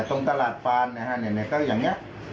ตรงตลาดปานนะครับก็อย่างนี้